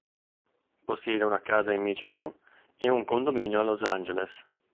Possiede una casa in Michigan e un condominio a Los Angeles.